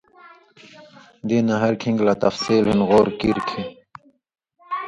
دِیناں ہر کِھن٘گی لا تفصیل ہِن غور کیر کھیں